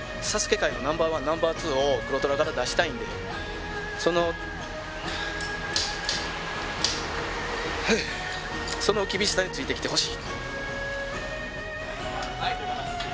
界のナンバーワン、ナンバーツーを黒虎から出したいんで、その厳しさについてきてほしい。